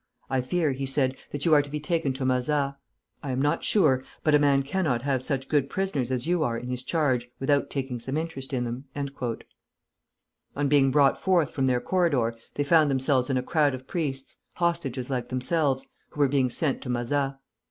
"I fear," he said, "that you are to be taken to Mazas. I am not sure, but a man cannot have such good prisoners as you are in his charge without taking some interest in them." On being brought forth from their corridor, they found themselves in a crowd of priests (hostages like themselves) who were being sent to Mazas.